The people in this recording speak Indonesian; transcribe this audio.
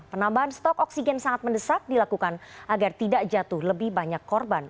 penambahan stok oksigen sangat mendesak dilakukan agar tidak jatuh lebih banyak korban